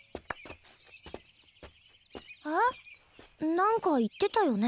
何か言ってたよね